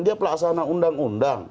dia pelaksana undang undang